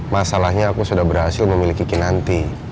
masalahnya aku sudah berhasil memiliki kinanti